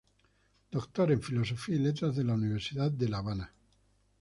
Doctor en Filosofía y Letras de la Universidad de La Habana.